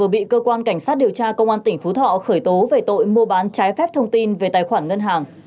bị cơ quan cảnh sát điều tra công an tỉnh phú thọ khởi tố về tội mua bán trái phép thông tin về tài khoản ngân hàng